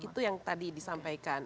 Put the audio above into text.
itu yang tadi disampaikan